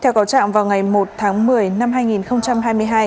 theo cáo trạng vào ngày một tháng một mươi năm hai nghìn hai mươi hai